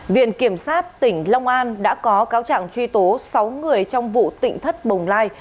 viện kiểm sát tỉnh long an đã có cáo trạng truy tố sáu người trong vụ tỉnh thất bồng lai